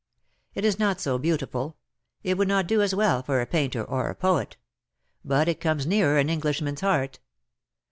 It is not so beautiful — it would not do as well for a painter or a poet ; but it comes nearer an Englishman's heart.